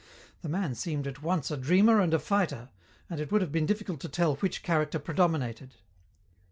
The man seemed at once a dreamer and a fighter, and it would have been difficult to tell which character predominated.